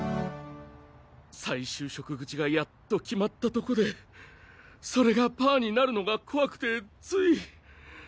再就職口がやっと決まったとこでそれがパアになるのが怖くてつい。